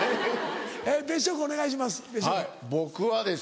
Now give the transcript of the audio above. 別所君お願いします。